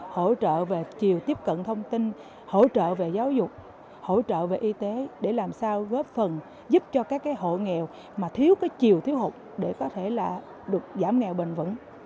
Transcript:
hỗ trợ về chiều tiếp cận thông tin hỗ trợ về giáo dục hỗ trợ về y tế để làm sao góp phần giúp cho các hộ nghèo mà thiếu chiều thiếu hụt để có thể là được giảm nghèo bền vững